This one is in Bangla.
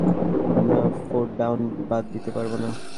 আমরা ফোরটাউন বাদ দিতে পারব না!